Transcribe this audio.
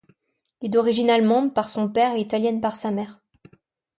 Il est d'origine allemande par son père et italienne par sa mère.